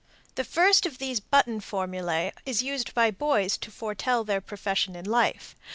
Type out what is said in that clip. The first of these button formulæ is used by boys to foretell their profession in life.